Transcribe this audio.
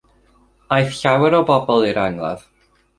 Aeth llawer o bobl i'r angladd.